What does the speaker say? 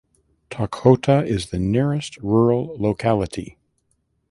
Tokhota is the nearest rural locality.